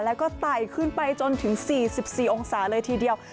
แล้วก็ไต่ขึ้นไปจนถึง๔๔องศาเลยทีเดียว